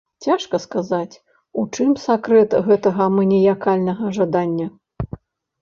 Цяжка сказаць, у чым сакрэт гэтага маніякальнага жадання.